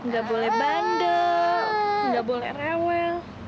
gak boleh bandel gak boleh rewel